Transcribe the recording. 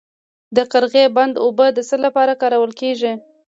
د قرغې بند اوبه د څه لپاره کارول کیږي؟